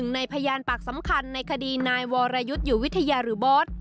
ในพยานปากสำคัญในคดีนายวรยุทธ์อยู่วิทยาหรือบอส